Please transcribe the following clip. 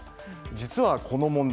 実はこの問題